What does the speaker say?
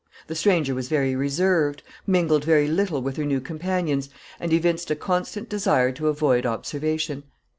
The stranger was very reserved, mingled very little with her new companions, and evinced a constant desire to avoid observation.